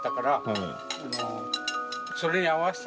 それに合わせた。